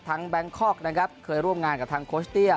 แบงคอกนะครับเคยร่วมงานกับทางโคชเตี้ย